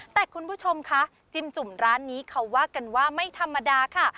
แต่คุณผู้ชมคะจิ้มจุ่มร้านนี้เขาว่ากันว่าไม่ธรรมดาค่ะ